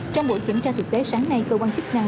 trong buổi kiểm tra thực tế sáng nay cơ quan chức năng